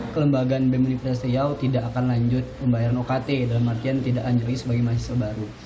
kelembagaan bem universitas riau tidak akan lanjut membayar okt dalam artian tidak anjri sebagai mahasiswa baru